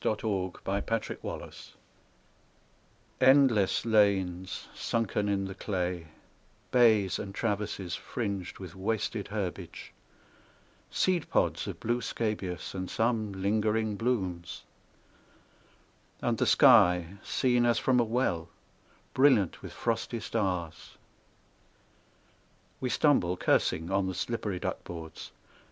Frederic Manning THE TRENCHES ENDLESS lanes sunken in the clay, Bays, and traverses, fringed with wasted herbage, Seed pods of blue scabious, and some lingering blooms ; And the sky, seen as from a well, Brilliant with frosty stars. We stumble, cursing, on the slippery duck boards.